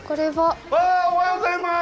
おはようございます！